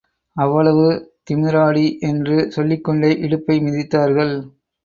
அவ்வளவு திமுறாடி என்று சொல்லிக்கொண்டே இடுப்பை மிதித்தார்கள்.